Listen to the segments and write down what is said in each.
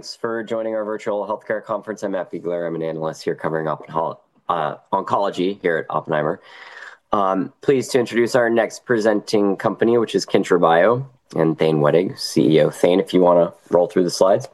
Thanks for joining our Virtual Healthcare Conference. I'm Matt Biegler. I'm an analyst here covering up oncology here at Oppenheimer. Pleased to introduce our next presenting company, which is Kyntra Bio, and Thane Wettig, CEO. Thane, if you wanna roll through the slides?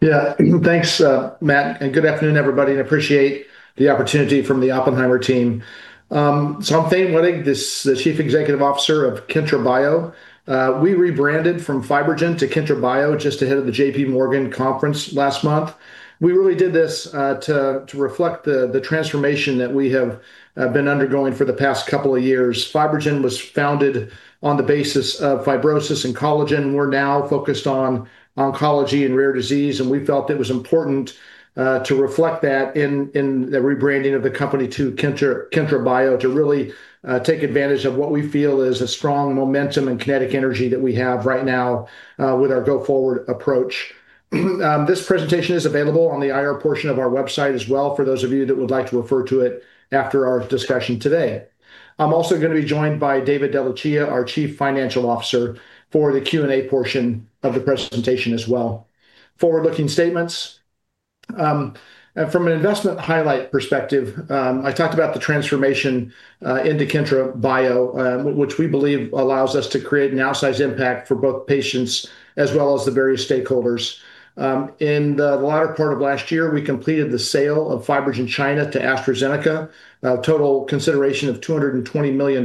Yeah. Thanks, Matt, and good afternoon, everybody. I appreciate the opportunity from the Oppenheimer team. I'm Thane Wettig, the Chief Executive Officer of Kyntra Bio. We rebranded from FibroGen to Kyntra Bio just ahead of the J.P. Morgan conference last month. We really did this to reflect the transformation that we have been undergoing for the past couple of years. FibroGen was founded on the basis of fibrosis and collagen. We're now focused on oncology and rare disease. We felt it was important to reflect that in the rebranding of the company to Kyntra Bio, to really take advantage of what we feel is a strong momentum and kinetic energy that we have right now with our go-forward approach. This presentation is available on the IR portion of our website as well, for those of you that would like to refer to it after our discussion today. I'm also gonna be joined by David DeLucia, our Chief Financial Officer, for the Q&A portion of the presentation as well. Forward-looking statements. From an investment highlight perspective, I talked about the transformation into Kyntra Bio, which we believe allows us to create an outsized impact for both patients as well as the various stakeholders. In the latter part of last year, we completed the sale of FibroGen China to AstraZeneca, a total consideration of $220 million.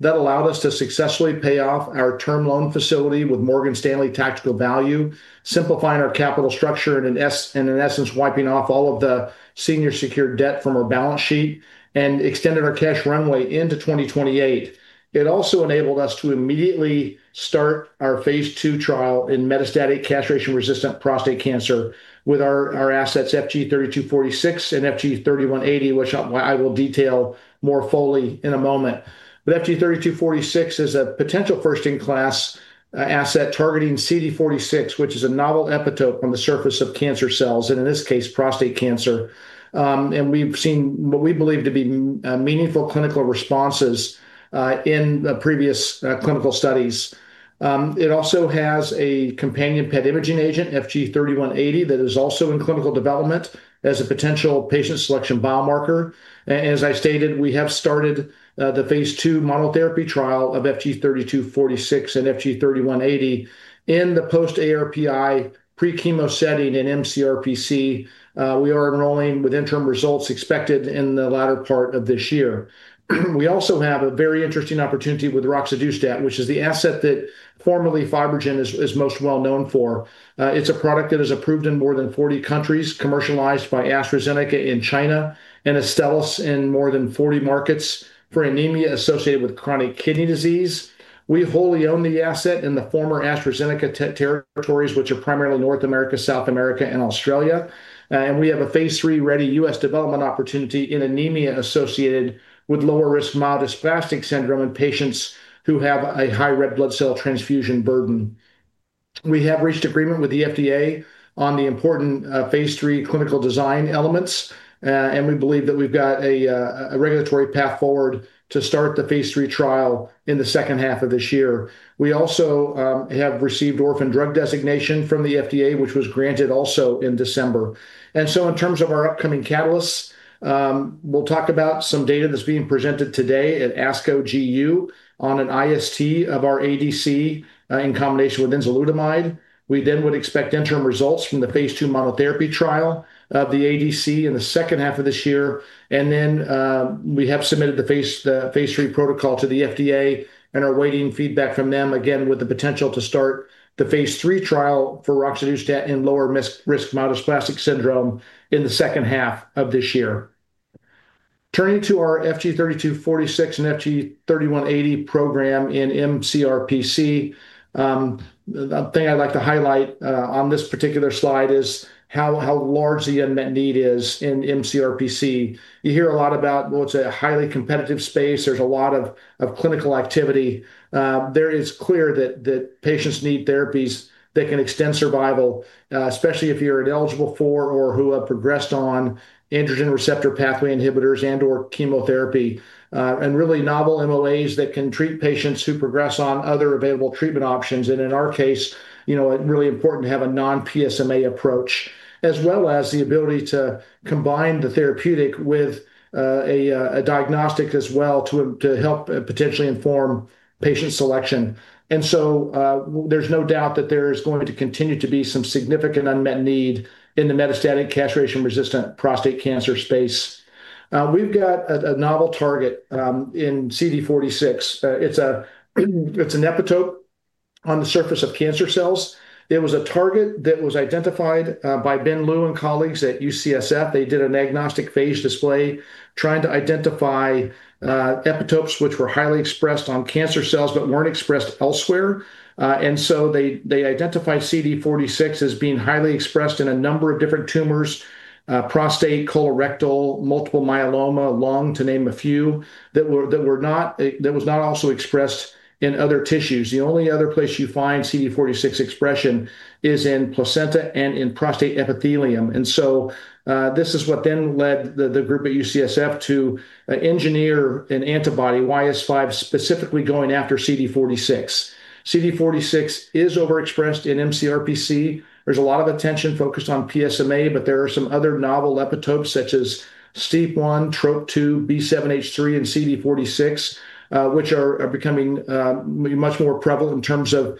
That allowed us to successfully pay off our term loan facility with Morgan Stanley Tactical Value, simplifying our capital structure, and in essence, wiping off all of the senior secured debt from our balance sheet, and extended our cash runway into 2028. It also enabled us to immediately start our phase II trial in metastatic castration-resistant prostate cancer with our assets, FG-3246 and FG-3180, which I will detail more fully in a moment. FG-3246 is a potential first-in-class asset targeting CD46, which is a novel epitope on the surface of cancer cells, and in this case, prostate cancer. We've seen what we believe to be meaningful clinical responses in the previous clinical studies. It also has a companion PET imaging agent, FG-3180, that is also in clinical development as a potential patient selection biomarker. As I stated, we have started the phase II monotherapy trial of FG-3246 and FG-3180 in the post-ARPI pre-chemo setting in mCRPC. We are enrolling with interim results expected in the latter part of this year. We also have a very interesting opportunity with roxadustat, which is the asset that formerly FibroGen is most well known for. It's a product that is approved in more than 40 countries, commercialized by AstraZeneca in China and Astellas in more than 40 markets for anemia associated with chronic kidney disease. We wholly own the asset in the former AstraZeneca territories, which are primarily North America, South America, and Australia. We have a phase III-ready U.S. development opportunity in anemia associated with lower risk myelodysplastic syndrome in patients who have a high red blood cell transfusion burden. We have reached agreement with the FDA on the important phase III clinical design elements, and we believe that we've got a regulatory path forward to start the phase III trial in the second half of this year. We also have received orphan drug designation from the FDA, which was granted also in December. In terms of our upcoming catalysts, we'll talk about some data that's being presented today at ASCO GU on an IST of our ADC in combination with enzalutamide. We would expect interim results from the phase II monotherapy trial of the ADC in the second half of this year. We have submitted the phase III protocol to the FDA and are waiting feedback from them, again, with the potential to start the phase III trial for roxadustat in lower-risk myelodysplastic syndrome in the second half of this year. Turning to our FG-3246 and FG-3180 program in mCRPC, the thing I'd like to highlight on this particular slide is how large the unmet need is in mCRPC. You hear a lot about, well, it's a highly competitive space. There's a lot of clinical activity. There is clear that patients need therapies that can extend survival, especially if you're ineligible for or who have progressed on androgen receptor pathway inhibitors and/or chemotherapy and really novel MOAs that can treat patients who progress on other available treatment options. And in our case, you know, it's really important to have a non-PSMA approach, as well as the ability to combine the therapeutic with a diagnostic as well to help potentially inform patient selection. There's no doubt that there is going to continue to be some significant unmet need in the metastatic castration-resistant prostate cancer space. We've got a novel target in CD46. It's an epitope on the surface of cancer cells. It was a target that was identified by Bin Liu and colleagues at UCSF. They did an agnostic phage display trying to identify epitopes, which were highly expressed on cancer cells but weren't expressed elsewhere. They identified CD46 as being highly expressed in a number of different tumors, prostate, colorectal, multiple myeloma, lung, to name a few, that was not also expressed in other tissues. The only other place you find CD46 expression is in placenta and in prostate epithelium. This is what then led the group at UCSF to engineer an antibody, YS5, specifically going after CD46. CD46 is overexpressed in mCRPC. There's a lot of attention focused on PSMA, but there are some other novel epitopes such as STEAP1, Trop-2, B7-H3, and CD46, which are becoming much more prevalent in terms of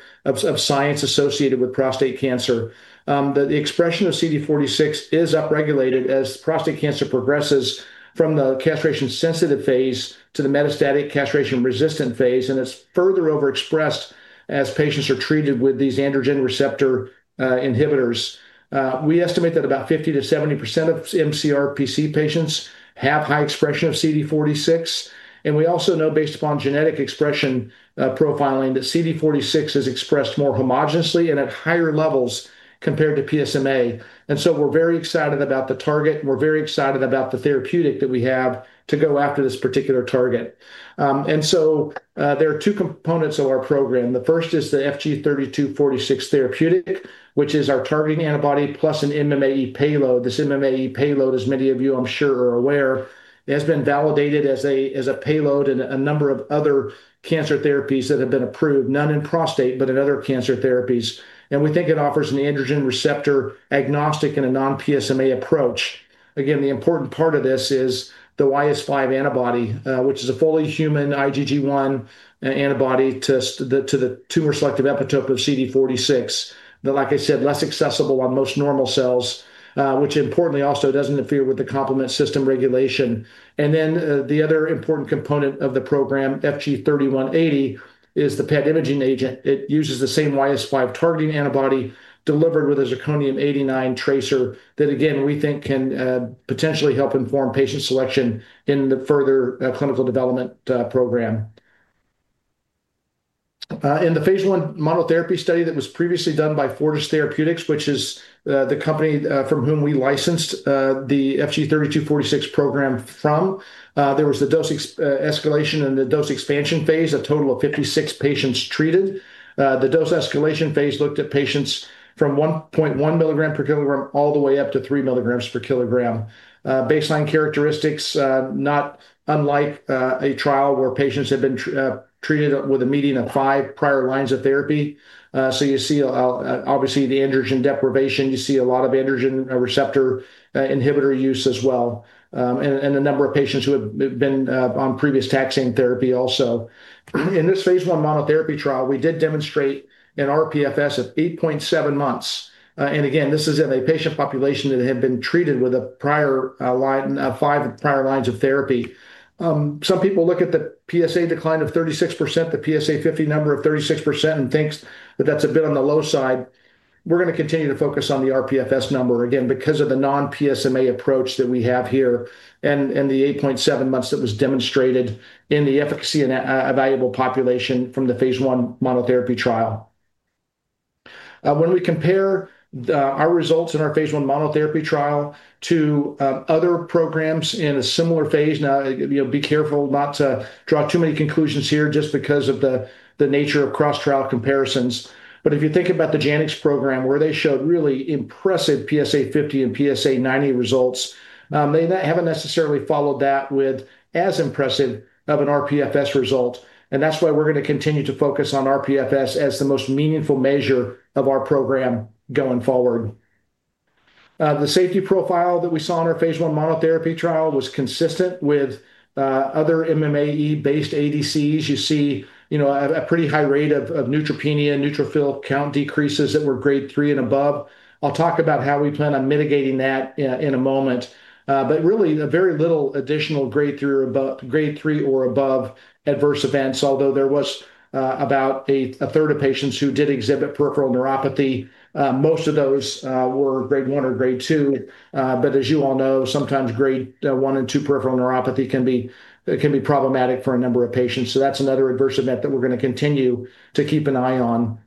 science associated with prostate cancer. The expression of CD46 is upregulated as prostate cancer progresses from the castration-sensitive phase to the metastatic castration-resistant phase, and it's further overexpressed as patients are treated with these androgen receptor inhibitors. We estimate that about 50%-70% of mCRPC patients have high expression of CD46, and we also know, based upon genetic expression profiling, that CD46 is expressed more homogeneously and at higher levels compared to PSMA. We're very excited about the target, and we're very excited about the therapeutic that we have to go after this particular target. There are two components of our program. The first is the FG-3246 therapeutic, which is our targeting antibody, plus an MMAE payload. This MMAE payload, as many of you, I'm sure, are aware, has been validated as a payload in a number of other cancer therapies that have been approved, none in prostate, but in other cancer therapies. We think it offers an androgen receptor agnostic and a non-PSMA approach. Again, the important part of this is the YS5 antibody, which is a fully human IgG1 antibody to the tumor-selective epitope of CD46, that, like I said, less accessible on most normal cells, which importantly also doesn't interfere with the complement system regulation. The other important component of the program, FG-3180, is the PET imaging agent. It uses the same YS5 targeting antibody delivered with a zirconium-89 tracer that, again, we think can potentially help inform patient selection in the further clinical development program. In the phase I monotherapy study that was previously done by Fortis Therapeutics, which is the company from whom we licensed the FG-3246 program from, there was the dose escalation and the dose expansion phase, a total of 56 patients treated. The dose escalation phase looked at patients from 1.1 mg/kg all the way up to 3 mg per kg. Baseline characteristics, not unlike a trial where patients have been treated with a median of 5 prior lines of therapy. You see, obviously, the androgen deprivation, you see a lot of androgen receptor inhibitor use as well, and a number of patients who have been on previous taxane therapy also. In this phase I monotherapy trial, we did demonstrate an RPFS of 8.7 months. Again, this is in a patient population that had been treated with a prior line, 5 prior lines of therapy. Some people look at the PSA decline of 36%, the PSA 50 number of 36%, and thinks that that's a bit on the low side. We're gonna continue to focus on the RPFS number, again, because of the non-PSMA approach that we have here and the 8.7 months that was demonstrated in the efficacy in a valuable population from the phase I monotherapy trial. When we compare the our results in our phase I monotherapy trial to other programs in a similar phase... You know, be careful not to draw too many conclusions here just because of the nature of cross-trial comparisons. If you think about the Janux program, where they showed really impressive PSA 50 and PSA 90 results, they haven't necessarily followed that with as impressive of an RPFS result, and that's why we're gonna continue to focus on RPFS as the most meaningful measure of our program going forward. The safety profile that we saw in our phase I monotherapy trial was consistent with other MMAE-based ADCs. You see, you know, a pretty high rate of neutropenia, neutrophil count decreases that were grade 3 and above. I'll talk about how we plan on mitigating that in a moment. Really, a very little additional grade 3 or above adverse events. There was about a third of patients who did exhibit peripheral neuropathy. Most of those were grade 1 or grade 2. As you all know, sometimes grade 1 and 2 peripheral neuropathy can be problematic for a number of patients, so that's another adverse event that we're gonna continue to keep an eye on.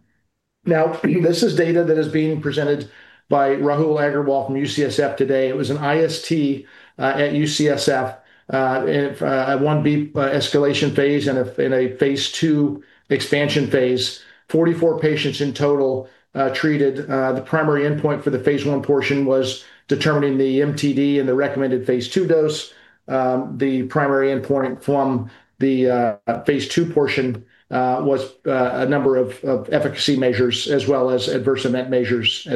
This is data that is being presented by Rahul Aggarwal from UCSF today. It was an IST at UCSF and at 1B escalation phase and in a phase II expansion phase. 44 patients in total treated. The primary endpoint for the phase I portion was determining the MTD and the recommended phase II dose. The primary endpoint from the phase II portion was a number of efficacy measures, as well as adverse event measures,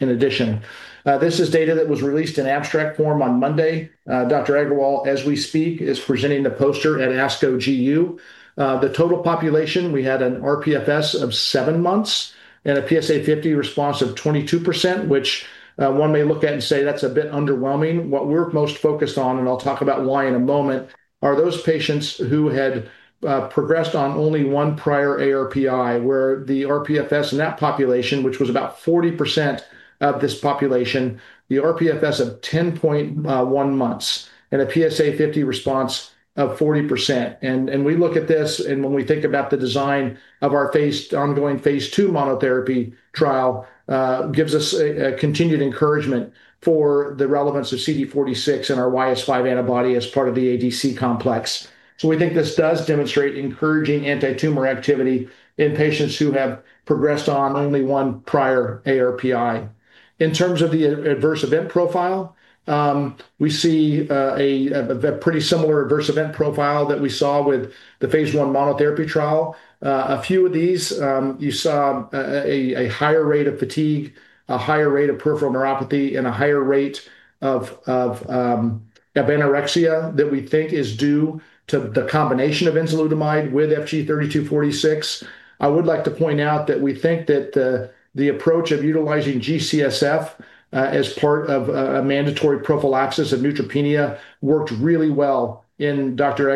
in addition. This is data that was released in abstract form on Monday. Dr. Aggarwal, as we speak, is presenting the poster at ASCO GU. The total population, we had an RPFS of seven months and a PSA 50 response of 22%, which one may look at and say, that's a bit underwhelming. What we're most focused on, and I'll talk about why in a moment, are those patients who had progressed on only one prior ARPI, where the RPFS in that population, which was about 40% of this population, the RPFS of 10.1 months and a PSA 50 response of 40%. We look at this, and when we think about the design of our ongoing phase II monotherapy trial, gives us a continued encouragement for the relevance of CD46 and our YS5 antibody as part of the ADC complex. We think this does demonstrate encouraging anti-tumor activity in patients who have progressed on only one prior ARPI. In terms of the adverse event profile, we see a pretty similar adverse event profile that we saw with the phase I monotherapy trial. A few of these, you saw a higher rate of fatigue, a higher rate of peripheral neuropathy, and a higher rate of anorexia that we think is due to the combination of enzalutamide with FG-3246. I would like to point out that we think that the approach of utilizing GCSF as part of a mandatory prophylaxis of neutropenia worked really well in Dr.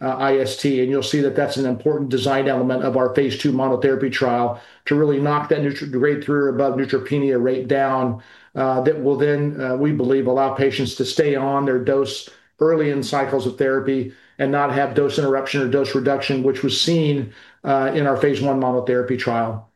Aggarwal's IST. You'll see that that's an important design element of our phase II monotherapy trial, to really knock that grade 3 or above neutropenia rate down, that will then, we believe, allow patients to stay on their dose early in cycles of therapy and not have dose interruption or dose reduction, which was seen in our phase I monotherapy trial.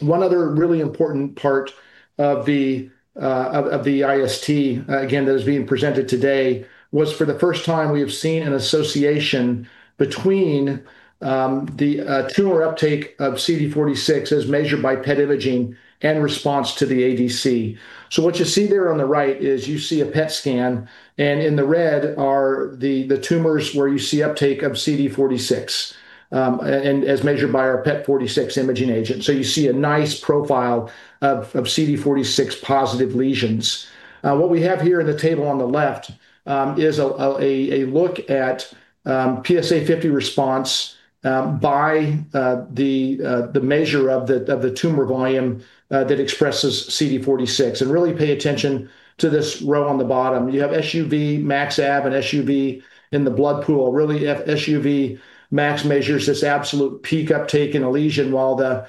One other really important part of the of the IST, again, that is being presented today, was for the first time we have seen an association between the tumor uptake of CD46 as measured by PET imaging and response to the ADC. What you see there on the right is you see a PET scan, and in the red are the tumors where you see uptake of CD46 and as measured by our PET46 imaging agent. You see a nice profile of CD46 positive lesions. What we have here in the table on the left is a look at PSA50 response by the measure of the tumor volume that expresses CD46. Really pay attention to this row on the bottom. You have SUVmax AB and SUV in the blood pool. Really, SUVmax measures this absolute peak uptake in a lesion, while the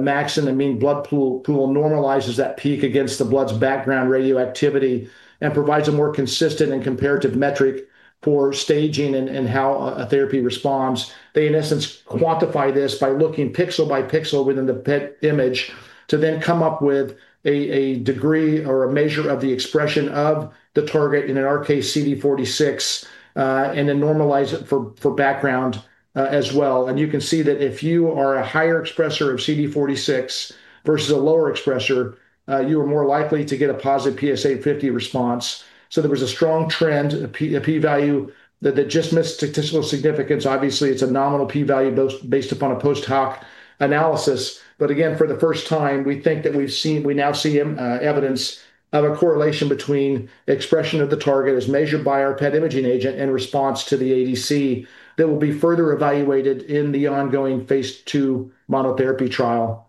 max in the mean blood pool normalizes that peak against the blood's background radioactivity and provides a more consistent and comparative metric for staging and how a therapy responds. They, in essence, quantify this by looking pixel by pixel within the PET image, to then come up with a degree or a measure of the expression of the target, and in our case, CD46, and then normalize it for background as well. You can see that if you are a higher expressor of CD46 versus a lower expressor, you are more likely to get a positive PSA 50 response. There was a strong trend, a p-value, that just missed statistical significance. Obviously, it's a nominal p-value based upon a post-hoc analysis. Again, for the first time, we think that we now see evidence of a correlation between expression of the target, as measured by our PET imaging agent, in response to the ADC. That will be further evaluated in the ongoing phase II monotherapy trial.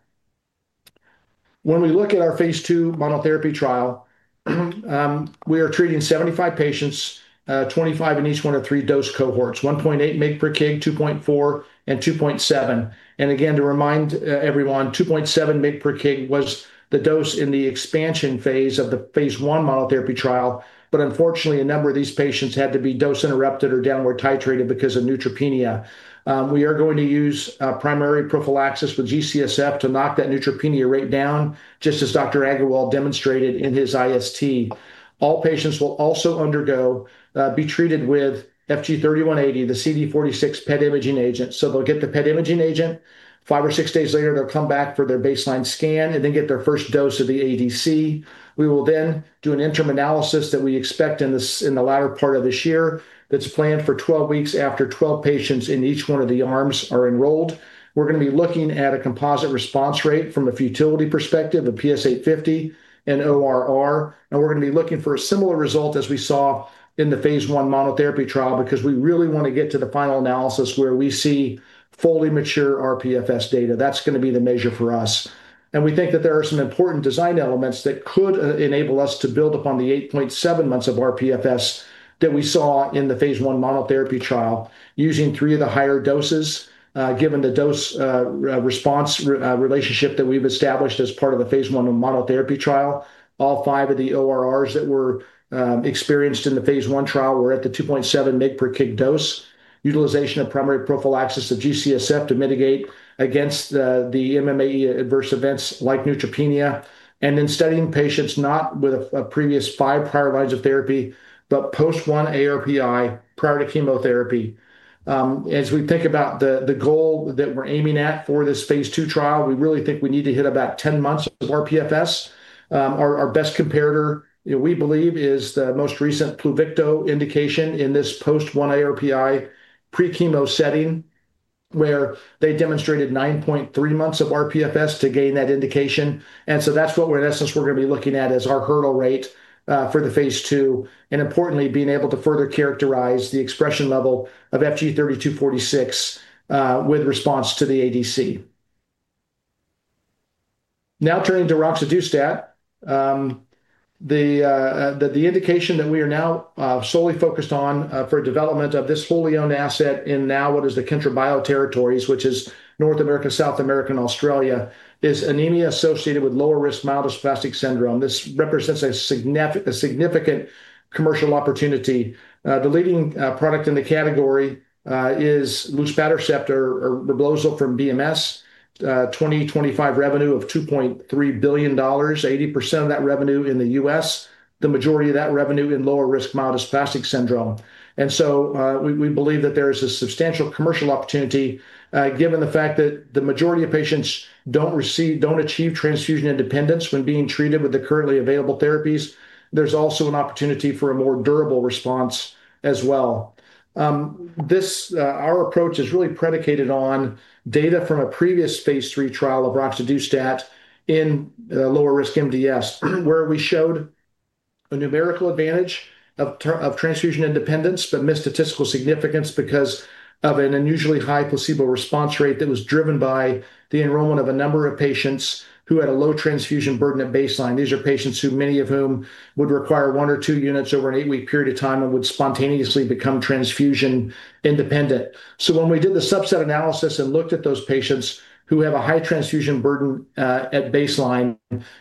We look at our phase II monotherapy trial, we are treating 75 patients, 25 in each one of three dose cohorts: 1.8 mg/kg, 2.4 mg/kg, and 2.7 mg/kg. Again, to remind everyone, 2.7 mg/kg was the dose in the expansion phase of the phase I monotherapy trial. Unfortunately, a number of these patients had to be dose interrupted or downward titrated because of neutropenia. We are going to use primary prophylaxis with GCSF to knock that neutropenia rate down, just as Dr. Aggarwal demonstrated in his IST. All patients will also undergo, be treated with FG-3180, the CD46 PET imaging agent. They'll get the PET imaging agent. Five or six days later, they'll come back for their baseline scan, and then get their first dose of the ADC. We will then do an interim analysis that we expect in the latter part of this year, that's planned for 12 weeks after 12 patients in each one of the arms are enrolled. We're gonna be looking at a composite response rate from a futility perspective, the PSA 50 and ORR. We're gonna be looking for a similar result as we saw in the phase I monotherapy trial, because we really wanna get to the final analysis where we see fully mature RPFS data. That's gonna be the measure for us. We think that there are some important design elements that could enable us to build upon the 8.7 months of RPFS that we saw in the phase I monotherapy trial, using three of the higher doses, given the dose response relationship that we've established as part of the phase I monotherapy trial. All five of the ORRs that were experienced in the phase I trial were at the 2.7 mg per kg dose. Utilization of primary prophylaxis of GCSF to mitigate against the MMAE adverse events like neutropenia, and then studying patients not with a previous five prior lines of therapy, but post 1 ARPI prior to chemotherapy. As we think about the goal that we're aiming at for this phase II trial, we really think we need to hit about 10 months of RPFS. Our best comparator, we believe, is the most recent PLUVICTO indication in this post 1 ARPI pre-chemo setting, where they demonstrated 9.3 months of RPFS to gain that indication. That's what we're, in essence, we're gonna be looking at as our hurdle rate for the phase II, and importantly, being able to further characterize the expression level of FG-3246 with response to the ADC. Now, turning to roxadustat. The indication that we are now solely focused on for development of this fully owned asset in now what is the Kyntra Bio territories, which is North America, South America, and Australia, is anemia associated with lower-risk myelodysplastic syndrome. This represents a significant commercial opportunity. The leading product in the category is luspatercept or REBLOZYL from BMS. 2025 revenue of $2.3 billion, 80% of that revenue in the U.S., the majority of that revenue in lower-risk myelodysplastic syndrome. We believe that there is a substantial commercial opportunity given the fact that the majority of patients don't achieve transfusion independence when being treated with the currently available therapies. There's also an opportunity for a more durable response as well. This, our approach is really predicated on data from a previous phase III trial of roxadustat in lower-risk MDS, where we showed a numerical advantage of transfusion independence, but missed statistical significance because of an unusually high placebo response rate that was driven by the enrollment of a number of patients who had a low transfusion burden at baseline. These are patients who, many of whom, would require one or two units over an eight-week period of time and would spontaneously become transfusion independent. When we did the subset analysis and looked at those patients who have a high transfusion burden at baseline,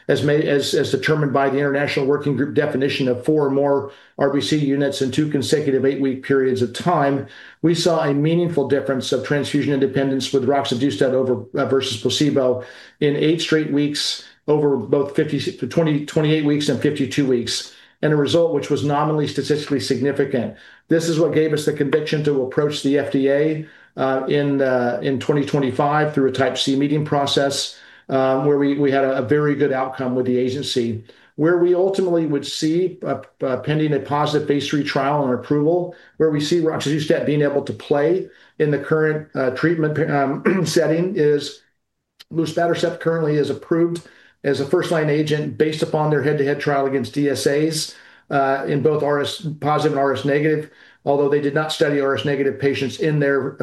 as determined by the International Working Group definition of four or more RBC units in two consecutive eight-week periods of time, we saw a meaningful difference of transfusion independence with roxadustat over versus placebo in eight straight weeks over both 28 weeks and 52 weeks, and a result which was nominally statistically significant. This is what gave us the conviction to approach the FDA in 2025 through a type C meeting process, where we had a very good outcome with the agency. Where we ultimately would see, pending a positive phase III trial and approval, where we see roxadustat being able to play in the current treatment setting is luspatercept currently is approved as a first-line agent based upon their head-to-head trial against ESAs, in both RS positive and RS negative. Although they did not study RS negative patients in their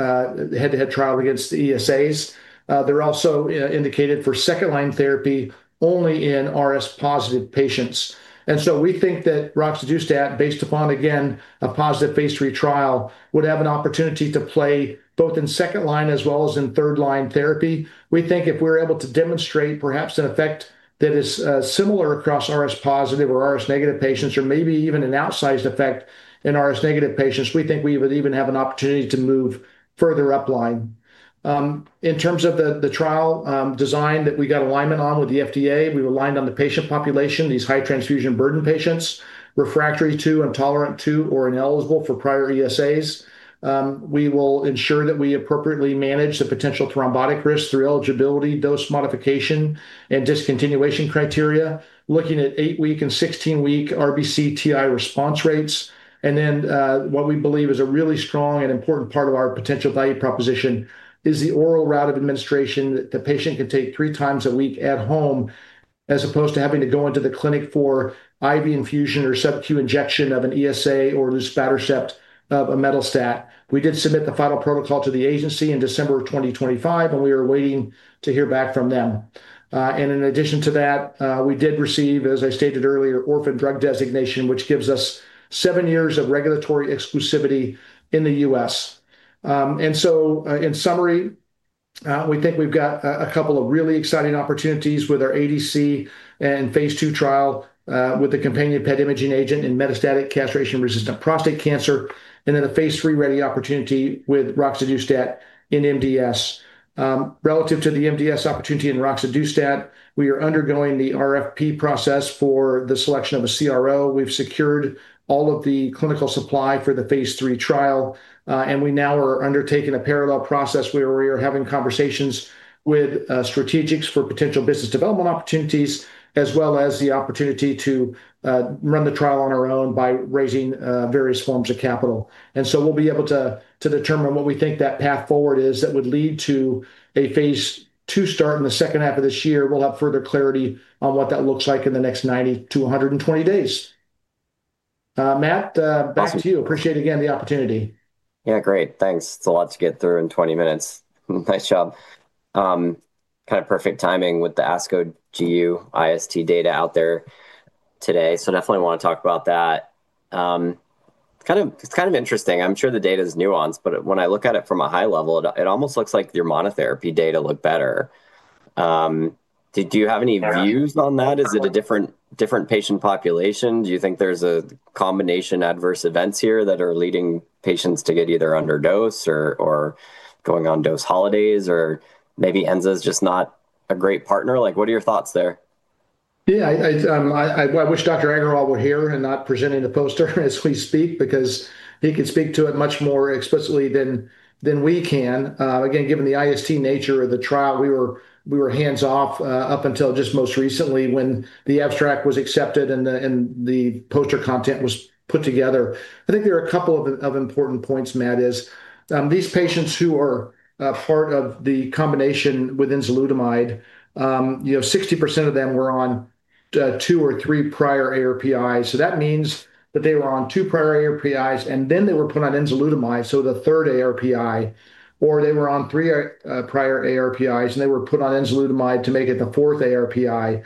head-to-head trial against the ESAs. They're also indicated for second-line therapy only in RS positive patients. We think that roxadustat, based upon, again, a positive phase III trial, would have an opportunity to play both in second line as well as in third line therapy. We think if we're able to demonstrate perhaps an effect that is similar across RS positive or RS negative patients, or maybe even an outsized effect in RS negative patients, we think we would even have an opportunity to move further up line. In terms of the trial design that we got alignment on with the FDA, we were aligned on the patient population, these high transfusion burden patients, refractory to, intolerant to, or ineligible for prior ESAs. We will ensure that we appropriately manage the potential thrombotic risk through eligibility, dose modification, and discontinuation criteria, looking at eight-week and 16-week RBC-TI response rates. What we believe is a really strong and important part of our potential value proposition is the oral route of administration that the patient can take three times a week at home, as opposed to having to go into the clinic for IV infusion or sub-Q injection of an ESA or luspatercept, of a MEDALIST. We did submit the final protocol to the agency in December of 2025, and we are waiting to hear back from them. In addition to that, we did receive, as I stated earlier, orphan drug designation, which gives us sesven years of regulatory exclusivity in the U.S. In summary, we think we've got a couple of really exciting opportunities with our ADC and phase II trial, with the companion PET imaging agent in metastatic castration-resistant prostate cancer, and then a phase III-ready opportunity with roxadustat in MDS. Relative to the MDS opportunity in roxadustat, we are undergoing the RFP process for the selection of a CRO. We've secured all of the clinical supply for the phase III trial, and we now are undertaking a parallel process where we are having conversations with strategics for potential business development opportunities, as well as the opportunity to run the trial on our own by raising various forms of capital. We'll be able to determine what we think that path forward is that would lead to a phase II start in the second half of this year. We'll have further clarity on what that looks like in the next 90-120 days. Matt, back to you. Appreciate again the opportunity. Yeah, great. Thanks. It's a lot to get through in 20 minutes. Nice job. Perfect timing with the ASCO GU IST data out there today. Definitely wanna talk about that. It's kind of interesting. I'm sure the data is nuanced, but when I look at it from a high level, it almost looks like your monotherapy data looked better. Do you have any views on that? Is it a different patient population? Do you think there's a combination adverse events here that are leading patients to get either under dose or going on dose holidays, or maybe enza's just not a great partner? Like, what are your thoughts there? Yeah, I wish Dr. Aggarwal were here and not presenting the poster as we speak, because he could speak to it much more explicitly than we can. Again, given the IST nature of the trial, we were hands-off up until just most recently, when the abstract was accepted and the poster content was put together. I think there are a couple of important points, Matt, is, these patients who are part of the combination with enzalutamide, you know, 60% of them were on two or three prior ARPI. That means that they were on two prior ARPIs, and then they were put on enzalutamide, so the third ARPI, or they were on three prior ARPIs, and they were put on enzalutamide to make it the fourth ARPI.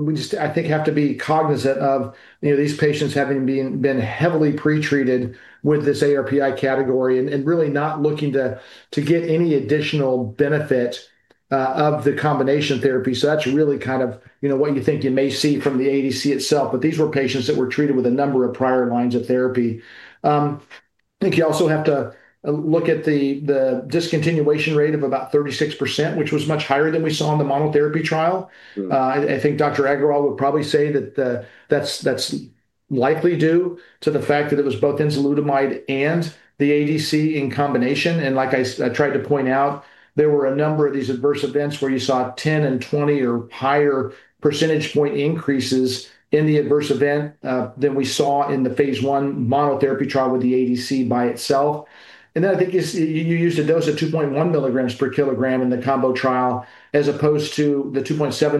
We just have to be cognizant of, you know, these patients having been heavily pre-treated with this ARPI category and really not looking to get any additional benefit of the combination therapy. That's really kind of, you know, what you think you may see from the ADC itself, but these were patients that were treated with a number of prior lines of therapy. You also have to look at the discontinuation rate of about 36%, which was much higher than we saw in the monotherapy trial. Mm. I think Dr. Aggarwal would probably say that's likely due to the fact that it was both enzalutamide and the ADC in combination. Like I tried to point out, there were a number of these adverse events where you saw 10 and 20 or higher percentage point increases in the adverse event than we saw in the phase I monotherapy trial with the ADC by itself. Then I think you used a dose of 2.1 mg/kg in the combo trial, as opposed to the 2.7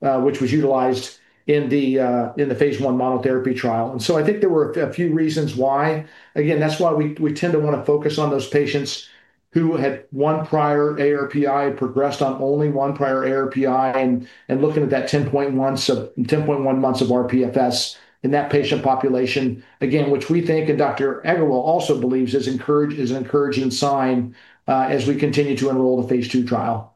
mg/kg, which was utilized in the phase I monotherapy trial. So I think there were a few reasons why. Again, that's why we tend to wanna focus on those patients who had one prior ARPI, progressed on only one prior ARPI, and looking at that 10.1, so 10.1 months of RPFS in that patient population. Again, which we think, and Dr. Aggarwal also believes, is an encouraging sign as we continue to enroll the phase II trial.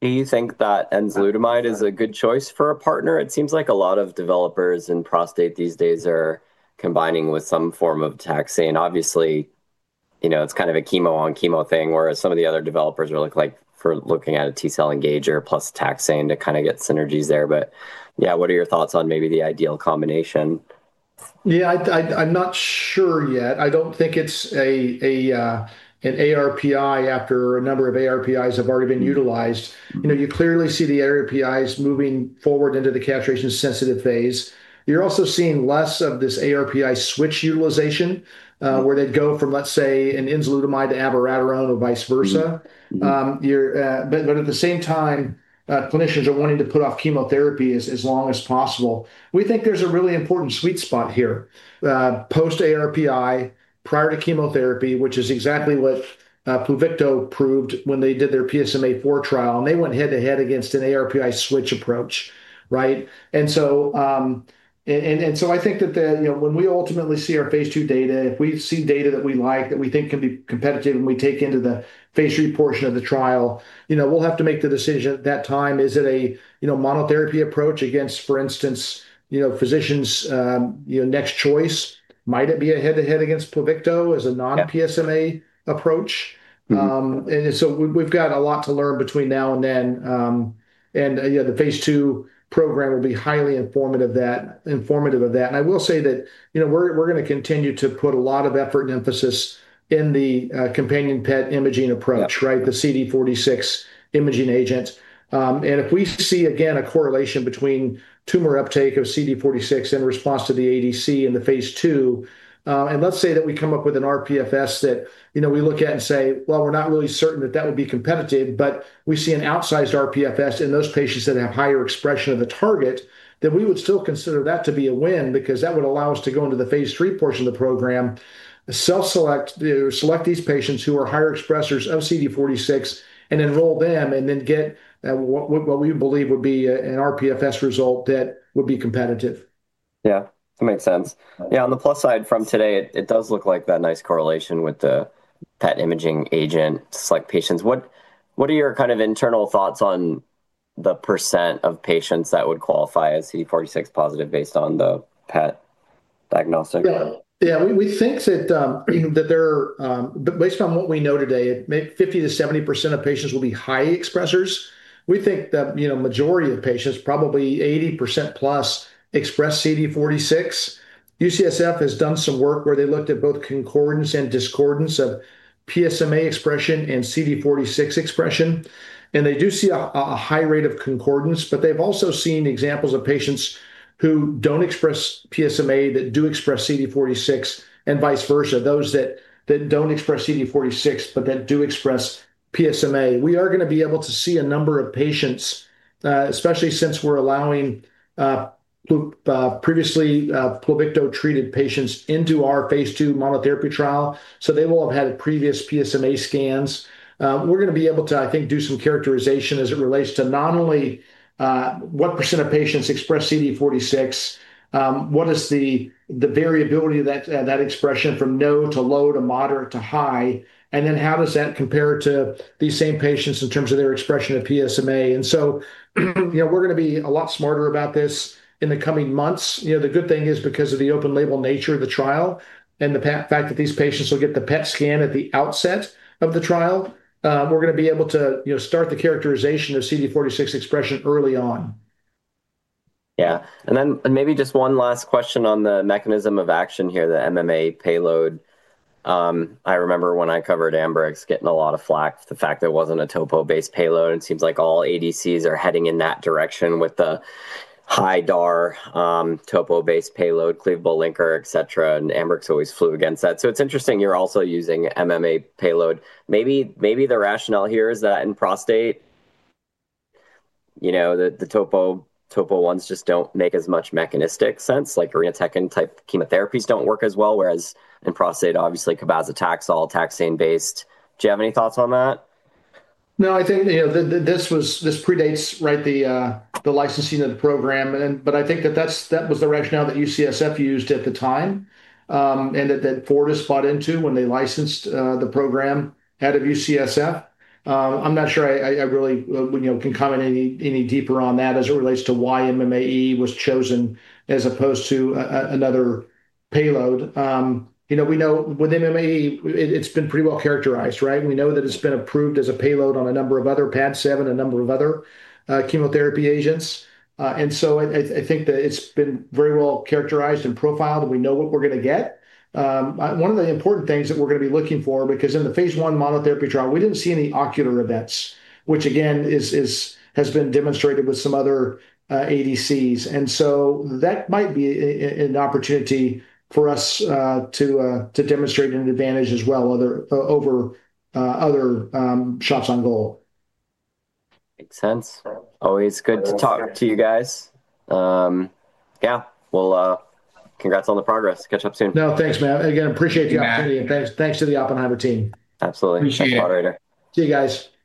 Do you think that enzalutamide is a good choice for a partner? It seems like a lot of developers in prostate these days are combining with some form of taxane. Obviously, you know, it's kind of a chemo-on-chemo thing, whereas some of the other developers are looking at a T-cell engager plus taxane to kinda get synergies there. Yeah, what are your thoughts on maybe the ideal combination? Yeah, I'm not sure yet. I don't think it's an ARPI after a number of ARPIs have already been utilized. Mm-hmm. You know, you clearly see the ARPIs moving forward into the castration-sensitive phase. You're also seeing less of this ARPI switch utilization. Mm. Where they'd go from, let's say, an enzalutamide to abiraterone or vice versa. Mm. You're, but at the same time, clinicians are wanting to put off chemotherapy as long as possible. We think there's a really important sweet spot here, post-ARPI, prior to chemotherapy, which is exactly what PLUVICTO proved when they did their PSMAfore trial, and they went head-to-head against an ARPI switch approach, right? I think that the, you know, when we ultimately see our phase II data, if we see data that we like, that we think can be competitive, and we take into the phase III portion of the trial, you know, we'll have to make the decision at that time. Is it a, you know, monotherapy approach against, for instance, you know, physicians', next choice? Might it be a head-to-head against PLUVICTO as a non-PSMA approach. Mm-hmm. We've got a lot to learn between now and then. You know, the phase II program will be highly informative of that. I will say that, you know, we're gonna continue to put a lot of effort and emphasis in the companion PET imaging approach. Yep. Right, the CD46 imaging agent. If we see, again, a correlation between tumor uptake of CD46 in response to the ADC in the phase II, and let's say that we come up with an RPFS that, you know, we look at and say, "Well, we're not really certain that that would be competitive," but we see an outsized RPFS in those patients that have higher expression of the target, then we would still consider that to be a win. That would allow us to go into the phase III portion of the program, self-select, select these patients who are higher expressers of CD46 and enroll them, and then get what we believe would be a, an RPFS result that would be competitive. Yeah, that makes sense. On the plus side from today, it does look like that nice correlation with the PET imaging agent to select patients. What are your kind of internal thoughts on the percent of patients that would qualify as CD46 positive based on the PET diagnostic? Yeah, yeah. We think that, you know, that there are based on what we know today, maybe 50%-70% of patients will be high expressers. We think that, you know, majority of patients, probably 80%+, express CD46. UCSF has done some work where they looked at both concordance and discordance of PSMA expression and CD46 expression, and they do see a high rate of concordance. They've also seen examples of patients who don't express PSMA, that do express CD46, and vice versa, those that don't express CD46 but that do express PSMA. We are gonna be able to see a number of patients, especially since we're allowing previously PLUVICTO treated patients into our phase II monotherapy trial, so they will have had previous PSMA scans. We're gonna be able to, I think, do some characterization as it relates to not only, what percent of patients express CD46, what is the variability of that expression from no to low to moderate to high, and then how does that compare to these same patients in terms of their expression of PSMA. You know, we're gonna be a lot smarter about this in the coming months. You know, the good thing is, because of the open label nature of the trial and the fact that these patients will get the PET scan at the outset of the trial, we're gonna be able to, you know, start the characterization of CD46 expression early on. Yeah. Maybe just one last question on the mechanism of action here, the MMA payload. I remember when I covered Ambrx getting a lot of flak for the fact there wasn't a topo-based payload, and it seems like all ADCs are heading in that direction with the high DAR, topo-based payload, cleavable linker, et cetera, and Ambrx always flew against that. It's interesting you're also using MMA payload. Maybe, maybe the rationale here is that in prostate, you know, the topo ones just don't make as much mechanistic sense, like irinotecan-type chemotherapies don't work as well, whereas in prostate, obviously, cabazitaxel are taxane-based. Do you have any thoughts on that? No, I think, you know, this predates, right, the licensing of the program. I think that that's, that was the rationale that UCSF used at the time, and that Fortis bought into when they licensed the program out of UCSF. I'm not sure I really, well, you know, can comment any deeper on that as it relates to why MMAE was chosen as opposed to another payload. You know, we know with MMAE, it's been pretty well characterized, right? We know that it's been approved as a payload on a number of other PADCEV, a number of other chemotherapy agents. I think that it's been very well characterized and profiled, and we know what we're gonna get. One of the important things that we're gonna be looking for, because in the phase I monotherapy trial, we didn't see any ocular events, which again, is has been demonstrated with some other ADCs. That might be an opportunity for us to demonstrate an advantage as well over other shots on goal. Makes sense. Always good to talk to you guys. Yeah, well, congrats on the progress. Catch up soon. No, thanks, man. Again, appreciate the opportunity, and thanks to the Oppenheimer team. Absolutely. Appreciate it. All right. See you guys. Thanks.